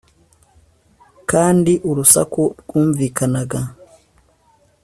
kandi urusaku rwumvikanaga